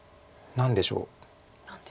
何でしょう。